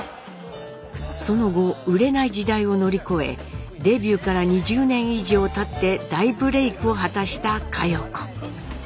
その後売れない時代を乗り越えデビューから２０年以上たって大ブレイクを果たした佳代子。